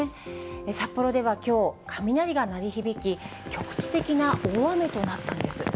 札幌ではきょう、雷が鳴り響き、局地的な大雨となったんです。